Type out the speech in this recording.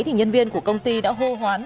thì nhân viên của công ty đã hô hoán